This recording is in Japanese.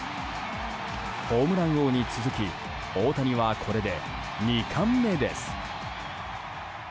ホームラン王に続き大谷はこれで２冠目です。